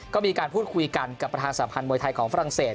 ก็มีการพูดคุยกันกับประธานสัมพันธ์มวยไทยของฝรั่งเศส